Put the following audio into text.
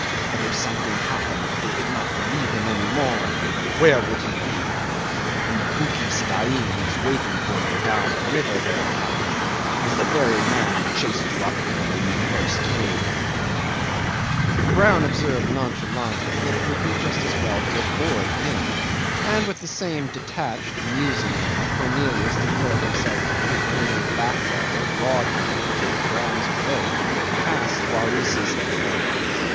But if something happened that they did not believe him any more, where would he be? And the Bugis Dain who is waiting for you down the river there, captain, is the very man who chased you up here when you first came." Brown observed nonchalantly that it would be just as well to avoid him, and with the same detached, musing air Cornelius declared himself acquainted with a backwater broad enough to take Brown's boat past Waris's camp.